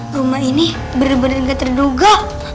rumah ini bener bener gak terduga